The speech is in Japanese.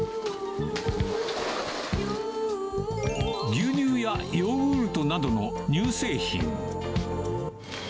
牛乳やヨーグルトなどの乳製品。